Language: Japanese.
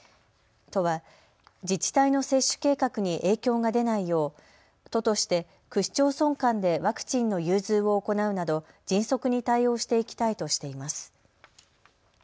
都は自治体の接種計画に影響が出ないよう都として区市町村間でワクチンの融通を行うなど迅速に対応していきたいとしています。